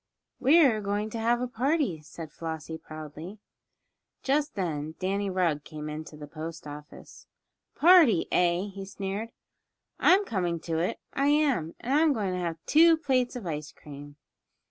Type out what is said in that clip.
"We're going to have a party," said Flossie, proudly. Just then Danny Rugg came into the post office. "A party; eh?" he sneered. "I'm coming to it, I am; and I'm going to have two plates of ice cream."